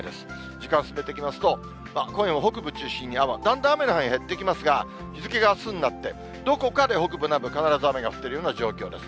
時間進めてきますと、今夜も北部中心に雨、だんだん雨の範囲広がっていきますが日付があすになって、どこかで北部、南部、必ず雨が降っている状況です。